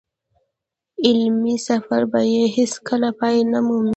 علمي سفر به يې هېڅ کله پای نه مومي.